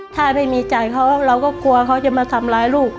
ถ้าไม่มีจ่ายเขาเราก็กลัวเขาจะมาทำร้ายลูก